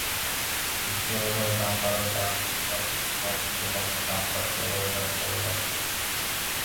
বিশ্ববাজারে দাম বাড়ার কারণে আমদানিনির্ভর নিত্যপণ্যের দাম বাড়ছে বলে ব্যবসায়ীরা জানিয়েছেন।